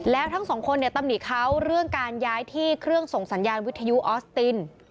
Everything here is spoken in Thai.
แล้วทั้งสองคนเนี่ยตำหนิเขาเรื่องการย้ายที่เครื่องส่งสัญญาณวิทยุออสติน